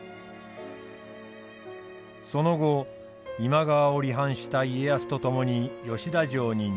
その後今川を離反した家康と共に吉田城に入城。